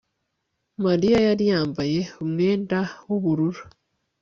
Mariya yari yambaye umwenda wubururu